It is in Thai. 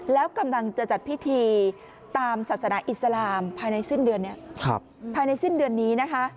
แล้วกำลังจะจัดพิธีตามศาสนาอิสลามภายในสิ้นเดือนนี้